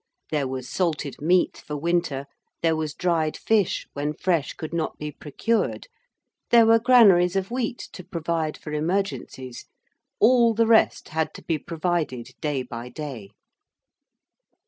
There was salted meat for winter; there was dried fish when fresh could not be procured; there were granaries of wheat to provide for emergencies. All the rest had to be provided day by day.